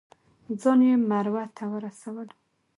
ځان یې مروه ته ورسولو.